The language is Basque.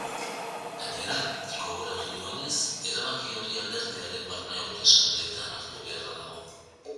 Gainera, gogoratu duenez, erabaki hori alderdiaren barne-hauteskundeetan hartu beharra dago.